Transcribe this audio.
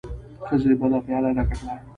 ښځې بله پياله ډکه کړه.